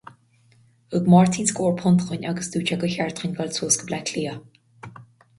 Thug Máirtín scór punt dúinn agus dúirt sé gur cheart dúinn dul suas go Baile Átha Cliath.